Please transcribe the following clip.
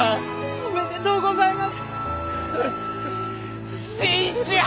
おめでとうございます！